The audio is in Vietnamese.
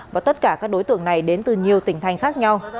và tất cả các đối tượng này đến từ nhiều tỉnh thành khác nhau